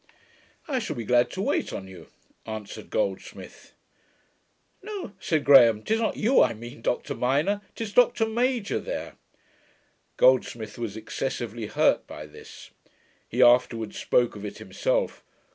'I shall be glad to wait on you,' answered Goldsmith. 'No,' said Graham, ''tis not you I mean, Dr MINOR; 'tis Dr MAJOR, there.' Goldsmith was excessively hurt by this. He afterwards spoke of it himself.